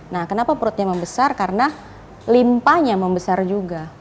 nah kenapa perutnya membesar karena limpanya membesar juga